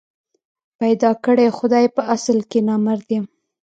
پيدا کړی خدای په اصل کي نامراد یم